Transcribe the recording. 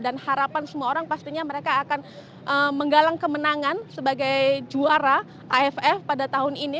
dan harapan semua orang pastinya mereka akan menggalang kemenangan sebagai juara aff pada tahun ini